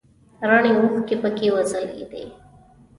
رڼې اوښکې پکې وځلیدې.